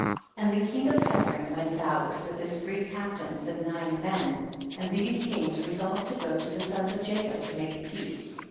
32. And the king of Hebron went out with his three captains and nine men, and these kings resolved to go to the sons of Jacob to make peace.